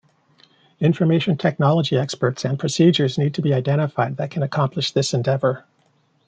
Information technology experts and procedures need to be identified that can accomplish this endeavor.